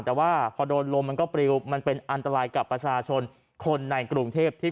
แต่ว่าพอโดนลมมันก็ปริวมันเป็นอันตรายกับประชาชนคนในกรุงเทพที่